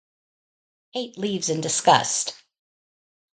Kate leaves in disgust.